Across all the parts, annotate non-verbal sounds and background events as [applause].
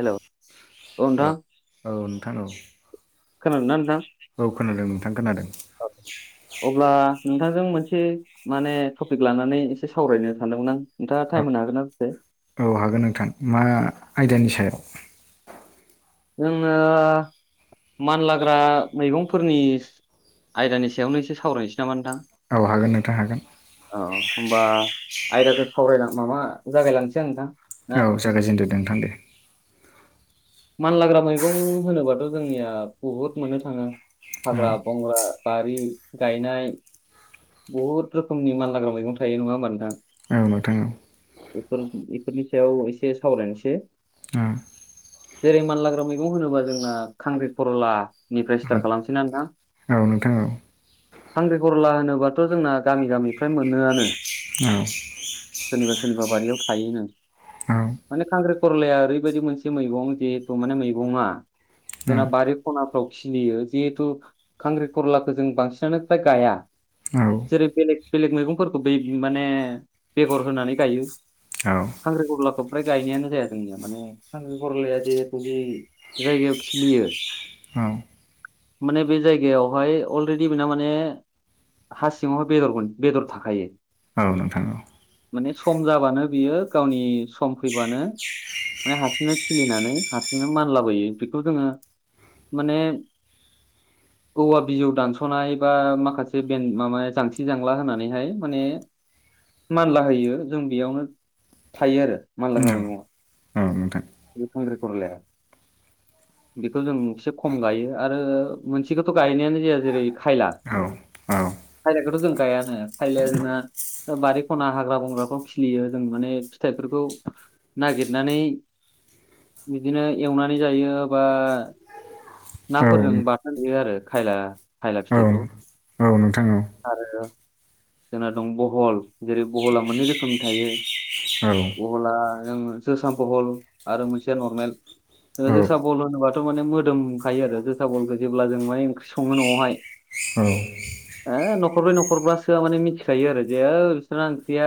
Hello औ औ नोंथां औ खोनादोंना नोंथां? औ खोनादों नोंथां खोनादों अब्ला नोंथांजों मोनसे माने टपिक लानानै एसे सावरायनो सानदोंमोन आं नोंथाङा टाइम होनो हागोन ना दसे [unintelligible] औ हागोन नोंथां मा आयदानि सायाव? जोङो मानलाग्रा मैगंफोरनि आयदानि सायावनो एसे सावरायनोसै नामा नोंथां। औ हागोन नोंथां हागोन। अ होमबा आयदाजों सावराय माबा जागायलांसै आं नोंथां। ना औ जागायजेनदो दे नोंथां दे। मानलाग्रा मैगं होनोबाथ' जोंनिया बुहुद मोननो थाङो औ हाग्रा बंग्रा बारि गायनाय बुहुत रोखोमनि मानलाग्रा मैगं थायो नङा होमबा नोंथां? औ नोंथां औ फोर इफोरनि सायाव एसे सावरायनोसे। हुम जेरै मानलाग्रा मैगं होनोबा जोंना खांख्रिखर'ला निफ्राय औ स्थार खालामनोसै ना नोंथां? औ नोंथां औ खांख्रि खरला होनोबाथ' जोंना गामि गामिफ्राय मोनो आनो। औ सोरनिबा सोरनिबा बारियाव थायोनो औ माने खांख्रिखरलाया ओरैबायदि मोनसे मैगं जिथु माने मैगङा जोंना बारि खनाफ्राव खिलियो जिहेथु खांख्रिखरलाखौ जों बांसिनानो फ्राय गाया। जेरै बेलेग बेलेग मैगंफोर खौ बैब माने बेगर होनानै गायो। औ खांख्रिखरलाखौ फ्राय गायनायानो जाया जोंनिआ माने खांख्रिखरलाया [unintelligible] जायगायाव खिलियो। औ नोंथां औ माने बे जायगायाव हाय अलरेदि बेना माने हा सिङावहाय बेदरगन बेदर थाखायो। औ नोंथां माने सम जाबानो बियो गावनि सम फैबानो। माने हारसिंनो खिलिनानै हारसिं नो मानलाबायो बेखौ जोङो माने औवा बिजौ दानस'नाय बा माखासे बेन माबा जांसि जांला होनानैहाय माने मानलाहोयो जों बेयावनो थायो आरो मानलाग्रा औ मैगं [unintelligible] खांख्रिखरलाया। बेखौ जों [unintelligible] से खम गायो आरो मोनसेखौथ' गायनायानो जाया जेरै खायला । औ खायलाखौथ' जों गायानो खायलाया जोंना बारि खना हाग्रा बंग्रा फ्राव खिलियो। जों माने फिथाइफोरखौ नागिदनानै बिदिनो एवनानै जायो बा नाफोरजों बाथोन [unintelligible] यो आरो खायला खायला औ फिथाइखौ औ औ नोंथां औ आरो जोंना दं बहल जेरै बहला मोनै रोखोमनि थायो। औ बहला जोसा बहल आरो मोनसेआ नरमेल औ औ जोसा बल होनोबाथ' माने मोदोमखायो आरो जोसा बलखौ जेब्ला जों माने ओंख्रि सङो न'आवहाय [unintelligible] हो नखर ब्रै नखर बा सोआ मिथिखायो आरो जे ओ बिसोरना ओंख्रिया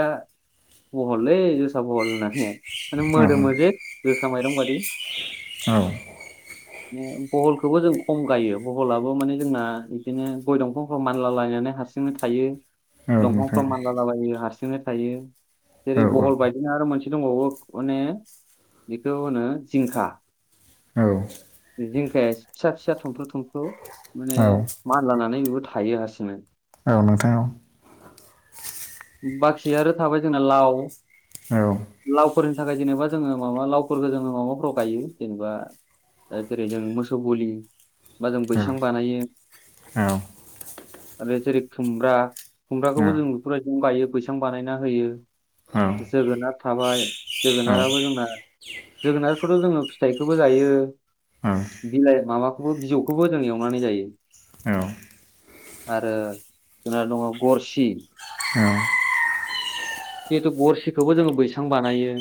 बहललै जोसा बहल होननानै माने औ मोदोम मोजे जो जोसा मायरं बादि। बहलखौबो जों खम गायो। ब्लाबो माने जोंना इदिनो गय दंफांफ्राव मानलालायना हारसिंनो थायो दंफांफ्राव मानलालाबायो हारसिं हारसिनो थायो जेरै बहल बायदिनो आरो मोनसे दंबावो अने बेखौ होनो जिंखा जिंखाया फिसा फिसा थमफ्रु थमफ्रु माने मान लानानै थायो हारसिंनो [unintelligible] बाखि आरो थाबाय जोंना लाव औ औ लावफोरनि थाखाय जेनेबा जोङो माबा जेरै जों मोसौ गलि बा जों औ नोंथां बैसां बानायो आरो जेरै खुमब्राखौबो जों बेफोरबायदिनो गायो बैसागो बानायना होयो औ जोगोनार थाबाय जोगोनाराबो जोंना जोगोनारखौथ' जोङो फिथाइखौबो जायो बिलाइ माबाखौबो बिजौखौबो जों एवनानै जायो आरो जोंना दङ गरसि जिहेथु गरसिखौबो जोङो बैसां बानायो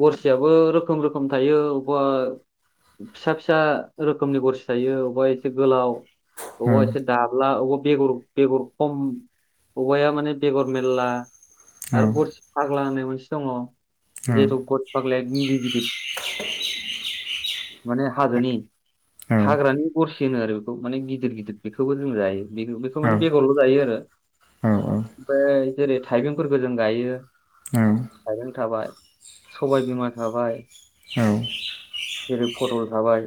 गरसियाबो रोखोम रोखोम थायो अबबा फिसा फिसा रोखोमनि गरसि थायो अबेबा एसे गोलाव अबबा एसे दाब्ला अबबा बेगर बेगर खम अबबाया माने बेगर ग- ला आरो गरसि फाग्ला होननाय मोनसे दङ। जिहेथु गरसि फाग्लाया गिदि गिदिर माने हाजोनि हाग्रानि गरसि होनो आरो बेखौ माने गिदिर गिदिर बेखौबो जों जायो बे बेखौ माने बेगरल' जायो आरो ओमफ्राय जेरै थाइबेंफोरखौ जों गायो थाइबें थाबाय सबायबिमा थाबाय जेरै फटल थाबाय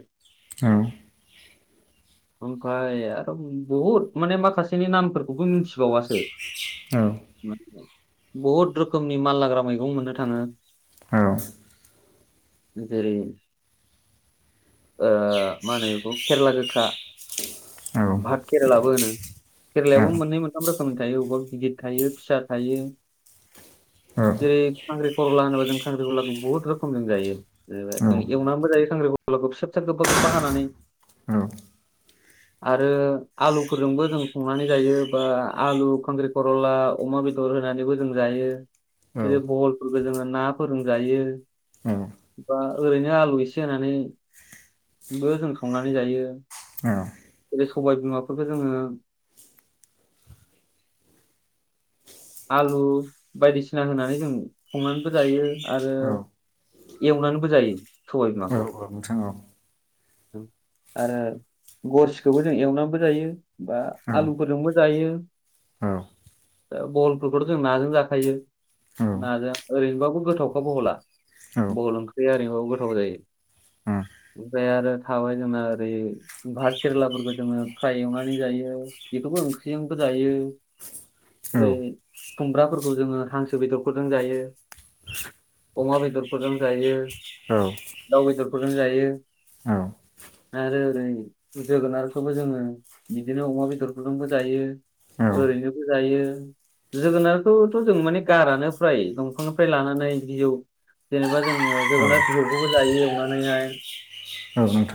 ओमफ्राय आरो बहुद माने माखासेनि नामफोरखौबो मिथिबावासो औ। ओ बहुद रोखोमनि मानलाग्रा मैगं मोननो थाङो जेरै- ओ मा होनो बेखौ खेरेला गोखा भात केरेलाबो होनो केेरेलायाबो मोननै मोनथाम रोखोमनि थायो अबेबा गिदिर थायो फिसा थायो अ जेरै खांख्रि खरला होनोबा जों खांख्रि खरलाखौ बुहुत रोखोम जायो जेनेबा एवनानैबो जायो खांख्रिख- खौ फिसा फिसा गोबबा गोबबा हानानै औ आरो आलुफोरजोंबो जों संनानै जायो बा आलु खांख्रि खररला अमा बेदर होनानैबो जों जायो। जेरै बहलफोरखौ जोङो ना फोरजों जायो। बा ओरैनो आलु एसे होनानै बो जोंसंङो जों खावनानै जायो जेरै- सबाय बिमाखौ जोङो [inaudible] आलु बायदिसिना होनानै जों संनानैबो जायो आरो एवनानैबो जायो सबाय बिमाखौ आरो गरसिखौबो जों एवनानैबो जायो बा आलुफोरजोंबो जायो दा बहलफोरखौथ' जों नाजों जाखायो नाजों ओरैनोबाबो गोथावखा बहला बहल ओंख्रिया ओरैनोबाबो गोथाव जायो ओमफ्राय आरो थाबाय जोंना ओरै भाहट केेरेलाफोरखौ जोङो फ्राय एवनानै जायो बेखौबो ओंख्रिजों गोद दायो जेरै खुमब्राफोरखौ जोङो हांसो बेदरफोरजों जायो अमा बेदरफोरजों जायो दाउ बेदरफोरजों जायो। [inaudible] आरो उम जोगोनारखौबो जोङो बिदिनो अमा बेदरफोरजोंबो जायो। ओरैनोबो जायो जोगोनारखौथ' जों माने गारानो फ्राय दंफांनिफ्राय लानानै बिजौ जेनेबा जोङो जोगोनार बिजौखौबो जायो एवनानै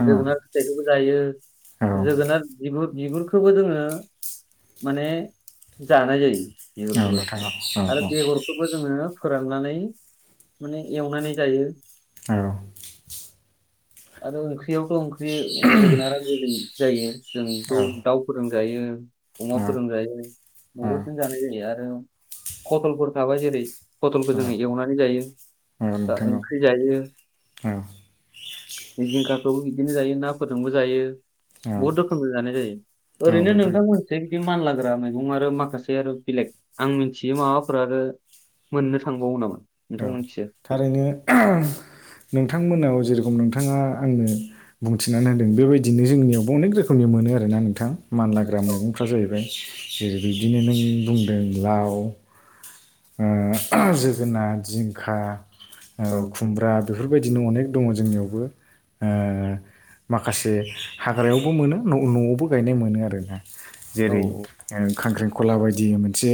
जोगोनार फिथायाइखौबो जायो जोगोनार बिगुर बिगुरखौबो जोङो माने जानाय जायो बिगुरखौबो आरो बेगरखौबो जोङो फोराननानै माने एवनानै जायो। आरो ओंख्रियावथ' ओंख्रि जोगोनारा गोदै जायो जों बेखौ दाउफोरजों जायो। अमा फोरोजों जायो औ औ बहुदजोंनो जानाय जायो आरो पथलफोर थाबाय जेरै पथलखौ औ जोङो एवनानै जायो। औ दा नोंथां औ ओंख्रि जायो औ जिंखाखौबो बिदिनो जायो नाफोरजोंबो जायो औ बहुद रोखोमबो जानाय जायो। औ ओरैनो नोंथां नोंथांमोनसे बिदि मानलाग्रा मैगं आरो माखासे आरो बेलेग आं मिथियो माबाफोर आरो मोननो थांबावो नामा औ नोंथां मिथिया [unintelligible] नोंथांमोनाव जेरेखम नोंथाङा आंनो बुंथिनानै होदों बेबायदिनो जोंनियावबो अनेक रोखोमनि मोन मोनो आरोना नोंथां मानलाग्रा मैगंफ्रा जाहैबाय जेरै बिदिनो नों बुंदों लाव ओ जोगोनार जिंखा खुमब्रा बेफोरबायदि बिदिन अनेक दङ जोंनियावबो ओ माखासे हाग्रायावबो मोनो न'आवबो गायनाय मोनो आरोना औ जेरै खांख्रिखला बायदि मोनसे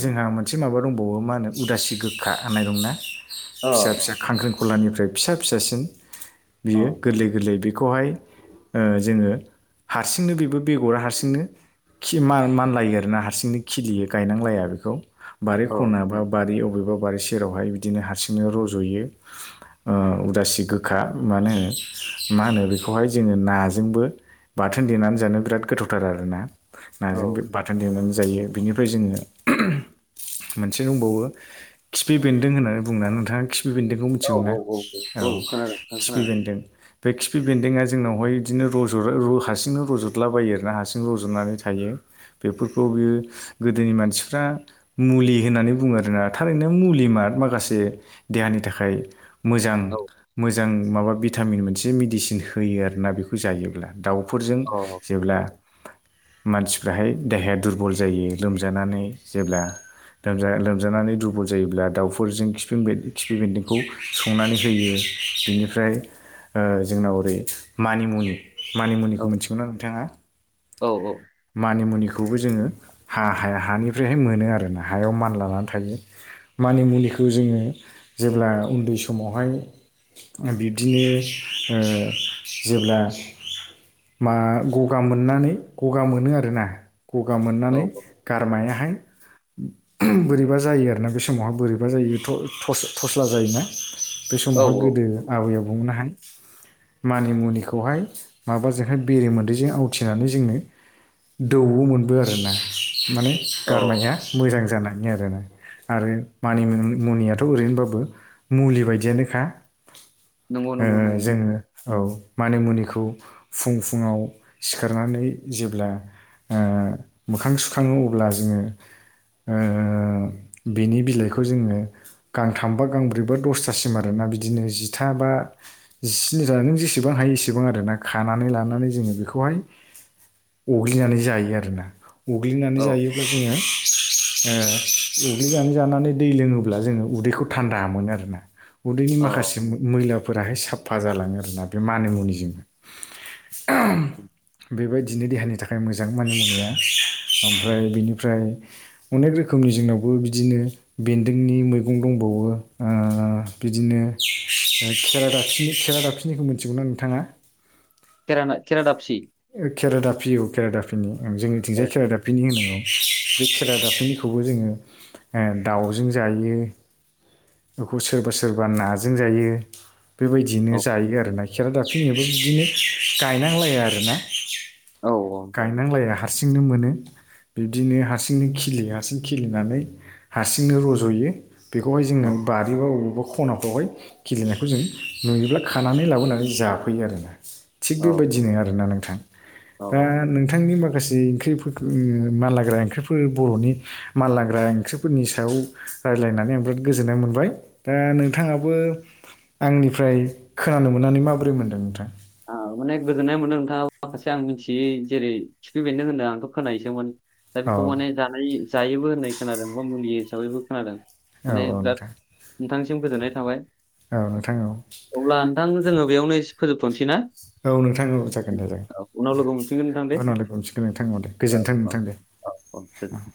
जोंहा मोनसे माबा दंबावो मा होनो उदासि गोखा होननाय दंनाा अ फिसा फिसा खांख्रं खलानिफ्राय फिसा फिसासिन अ औ बियो गोरलै गोरलै बेखौहाय ओ जोङो हारसिंनो बेबो बेगरा हारसिंनो खि मान मानलायो आरोना हारसिंनो खिलियो गायनांलाया बेखौ बारि औ खना बा बारि अबे बारि सेरावहाय बिदिनो हारसिंनो रज'यो उदासि गोखा मानो होनो मा होनो बेखौहाय जोङो नाजोंबो बाथोन देनानै जानो बिराद गोथावथार आरोना औ नाजों बाथोन देनानै जायो बिनिफ्राय जोङो मोनसे दंबावो खिफि बेन्दों होननानै बुंनानै नोंथाङा खि खिफि बेन्दोंखौ औ मिथिगौ ना औ खोनादों नोंथां खिफि खोनादों बेन्दों। बे खिफि बेन्दोंआ जोंनावहाय बिदिनो रज' हारसिंनो रज'ला बायो आरोना हारसिं रज'नानै थायो बेफोरखौ बियो गोदोनि मानसिफ्रा मुलि होननानै बुङो आरोना थारैनो मुलि मा माखासे देहानि थाखाय मोजां औ मोजां माबा भिटामिन मोनसे मेडिसिन होयो आरोना बेखौ जायोब्ला दाउफोरजों अ जेब्ला मानसिफ्राहाय देहाया दुरबल जायो लोमजानानै जेब्ला दा लोमजानानै दुरबल जायोब्ला दाउफोरजों खिफिं बे खिफि बेन्दोंखौ संनानै होयो। बिनिफ्राय ओ जोंनाव ओरै मानिमुनि मानिमुनिखौ मिथिगौ ना नोंथाङा औ औ मानिमुनिखौ खौबो जोङो हा हा हानिफ्रायहाय मोनो आरोना हायाव मान लानानै थायो मानि मुलिखौ जोङो जेब्ला उन्दै समावहाय बिब्दिनो ओ जेब्ला मा ग'गा मोननानै गगा मोनो आरोना गगा मोननानै औ गारमायाहाय बोरैबा जायो आरोना बे समावहा बोरैबा जायो थस-थस्ला जायोना बे औ समावहाय औ गोदो आबै आ बुंनोहाय मानि मुनिखौहाय माबाजोंहाय बेरेमोदैजों आवथिनानै जोंनो दौवो मोनबो आरोना माने औ गारनाया मोजां जानानै आरोना आरो मानि मुनियाथ' ओरैनोबाबो मुलि बायदियानोखा नंगौ ओ नंगौ नंगौ जोङो औ मान मुनिखौ फुं फुङाव सिखारनानै जेब्ला मोखां सुखाङो अब्ला जोङो बेनि बिलाइखौ जोङो गांथामबा गांब्रैबा दसथासिम आरोना बिदिनो जिथा बा जिनिसा नों जेसेबां हायो एसेबां आरोना खानानै लानानै जोङो बेखौहाय अग्लिनानै जायो आरोना, अग्लिनानै औ जायोब्ला जोङो ओ अग्लिजनानै जानानै दै लोङोब्ला जोङो उदैखौ थान्दा मोनो आरोना। उदैनि औ माखासे मैलाफोराहाय साफा जालाङो आरोना बे मानिमुनिजोंनो ओहोम बेबायदिनो देहानि थाखाय मोजां मानि मुनिया ओमफ्राय बेनिफ्राय अनेक रोखोमनि जोंनावबो बिदिनो बेन्दोंनि मैगं दंबावो ओ बिदिनो खेरा दाफिनि खेरा दाफिनायखौ मिथिगौना नोंथाङा? केराना केरा दापसि केरा दाफि औ केरादाफिनि, औ जोंनिथिंजाय केरादाफिनि होनो औ बे खेरा दाफिनिखौबो जोङो दाउजों जायो। बेखौ सोरबा सोरबा नाजों जायो। बेबायदिनो औ जायो आरो ना। खेरा दाफिनियाबो बिदिनो गायनांलाया आरो ना। औ गायनांलायााया हारसिंनो मोनो बिब्दिनो हारसिंनो खिलियो, हारसिं खिलिनानै हारसिंनो रज'यो बेखौहाय जोङो बारिबा बबेबा खनाफ्रावहाय खिलिनायखौ जों नुयोब्ला खानानै लाबोनानै जाफैयो आरोना। थिग औ बेबायदिनो आरोना नोंथां। औ दा नोंथांनि माखासे ओंख्रिफो ओ मानलाग्रा ओंख्रिफोर बर'नि माललाग्रा ओंख्रिफोरनि सायाव रायज्लायनानै आं बिराद गोजोननाय मोनबाय, दा नोंथाङाबो आंनिफ्राय खोनानो मोननानै माबोरै मोनदों नोंथां? औ माने गोजोन्नाय मोनदों नोंथाङा माखासे आं मिथियै जेरै खिफि बेनदों होनो आंथ' खोनायोसोमोन दा औ बेखौ माने जानाय जायोबो होननाय खोनादों बा मुलि हिसाबैबो खोनादों औ माने औ बिराद नोंथां नोंथांनिसिम गोजोननाय थाबाय, औ नोंथां औ अब्ला नोंथां जोङो बेयावनो फोजोबथ'नोसैना? औ नोंथां औ जागोन दे लोगो मोनफिनगोन नोंथां दे जागोन। उनाव लोगो हमफनगोन नोंथांन दे गोजोन्थों औ नोंथां दे औ औ [unintelligible]